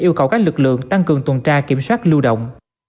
yêu cầu các lực lượng tăng cường tuần tra kiểm soát lưu động